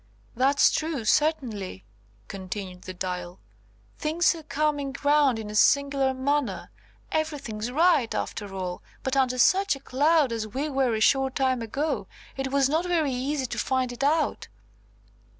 "That's true, certainly," continued the Dial. "Things are coming round in a singular manner. Everything's right, after all; but under such a cloud as we were a short time ago, it was not very easy to find it out."